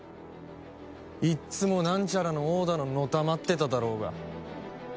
いつもなんちゃらの王だののたまってただろうが。